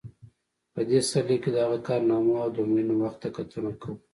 په دې سرلیک کې د هغه کارنامو او د مړینې وخت ته کتنه کوو.